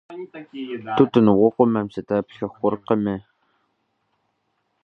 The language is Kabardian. Тутын Ӏугъуэмэм сытеплъэ хъуркъыми.